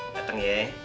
dateng ya ya